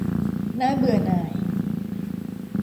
น่าเบื่อหน่าย